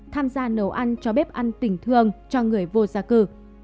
tham gia nấu ăn cho bếp ăn tình thương cho người vô gia cư